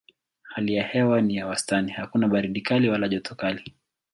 Hali ya hewa ni ya wastani: hakuna baridi kali wala joto kali.